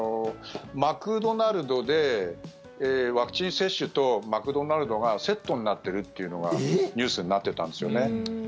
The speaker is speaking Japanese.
マクドナルドでワクチン接種とマクドナルドがセットになってるっていうのがニュースになってたんですよね。